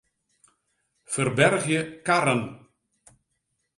Ferbergje karren.